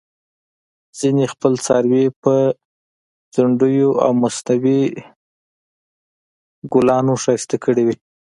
ځینې خپل څاروي په ځونډیو او مصنوعي ګلانو ښایسته کړي وي.